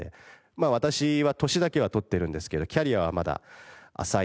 まあ私は年だけは取ってるんですけれどキャリアはまだ浅いので。